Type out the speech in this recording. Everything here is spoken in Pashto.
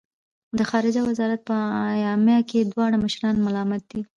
د خارجه وزارت په اعلامیه کې دواړه مشران ملامت دي.